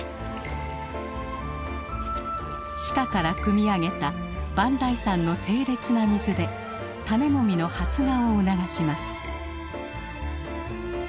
地下からくみ上げた磐梯山の清冽な水で種もみの発芽を促します。